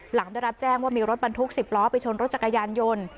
หลังได้รับแจ้งว่ามีรถบรรทุก๑๐ล้อไปชนรถจักรยานยนต์